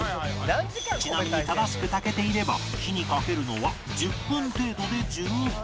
ちなみに正しく炊けていれば火にかけるのは１０分程度で十分